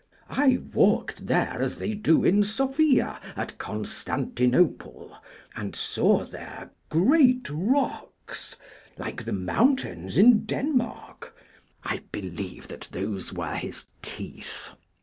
I walked there as they do in Sophia (at) Constantinople, and saw there great rocks, like the mountains in Denmark I believe that those were his teeth.